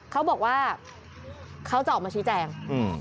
เขาบอกว่าเขาจะออกมาชี้แจงอืม